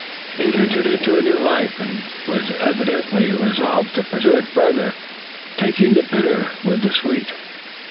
He had entered into a new life, and was evidently resolved to pursue it further, taking the bitter with the sweet.